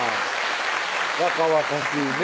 若々しいね